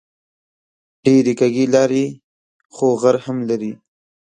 ډېرې کږې لارې خو غر هم لري